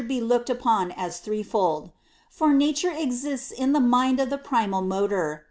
J).^. lj»o^^ upon as threefold. For Nature e xists in th e mind_of the Primal ^Motor.